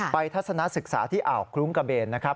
ทัศนศึกษาที่อ่าวคลุ้งกระเบนนะครับ